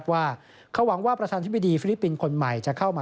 ว่าเขาหวังว่าประธานธิบดีฟิลิปปินคนใหม่